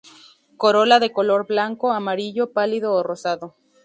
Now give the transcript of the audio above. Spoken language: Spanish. Corola de color blanco, amarillo pálido o rosado.